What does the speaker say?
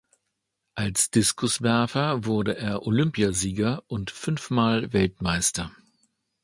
Als Diskuswerfer wurde er Olympiasieger und fünfmal Weltmeister.